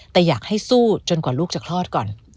แต่อยากให้สู้จนกว่าลูกจะคลอดก่อน